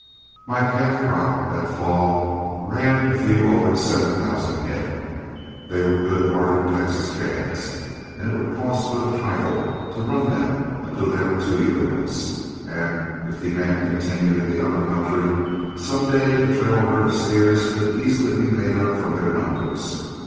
My calf crop that fall ran a few over seven thousand head. They were good northern Texas calves, and it would cost but a trifle to run them until they were two year olds; and if demand continued in the upper country, some day a trail herd of steers could easily be made up from their numbers.